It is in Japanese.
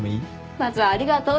まずはありがとうでしょ。